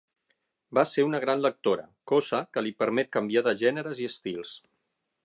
Va ser una gran lectora, cosa que li permet canviar de gèneres i estils.